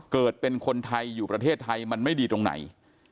เกิดเป็นคนไทยอยู่ประเทศไทยมันไม่ดีตรงไหน